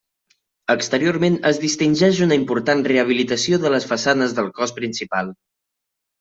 Exteriorment es distingeix una important rehabilitació de les façanes del cos principal.